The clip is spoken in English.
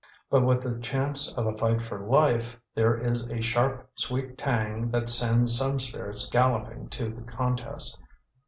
But with the chance of a fight for life, there is a sharp sweet tang that sends some spirits galloping to the contest.